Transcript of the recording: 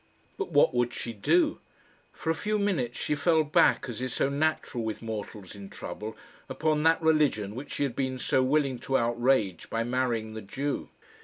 But what would she do? For a few minutes she fell back, as is so natural with mortals in trouble, upon that religion which she had been so willing to outrage by marrying the Jew.